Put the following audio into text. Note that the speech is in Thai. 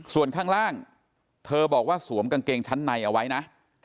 ส่วนข้างล่างเธอบอกว่าสวมกางเกงชั้นในเอาไว้นะ